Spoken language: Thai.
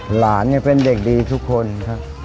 หลานเป็นเด็กดีทุกคนครับ